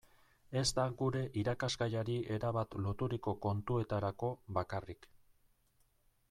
Ez da gure irakasgaiari erabat loturiko kontuetarako bakarrik.